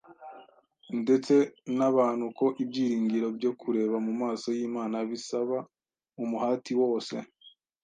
ndetse n’abantu ko ibyiringiro byo kureba mu maso y’Imana bisaba umuhati wose